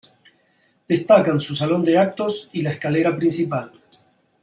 Destacan su salón de actos y la escalera principal.